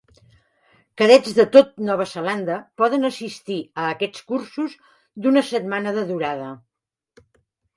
Cadets de tot Nova Zelanda poden assistir a aquests cursos d'una setmana de durada.